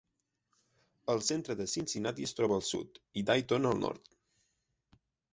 El centre de Cincinnati es troba al sud, i Dayton al nord.